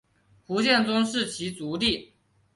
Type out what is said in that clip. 胡宗宪是其族弟。